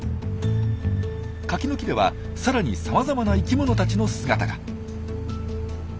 カキの木ではさらにさまざまな生きものたちの姿が。